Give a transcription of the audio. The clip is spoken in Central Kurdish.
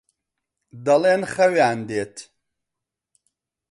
دەڵێن خەویان دێت.